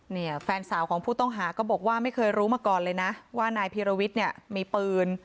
เนี่ยแฟนสาวของผู้ต้องหาก็บอกว่าไม่เคยรู้มาก่อนเลยนะว่านายพีรวิทย์เนี่ยมีปืน